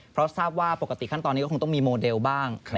เพราะทราบว่าปกติขั้นตอนนี้ก็คงต้องมีโมเดลบ้าง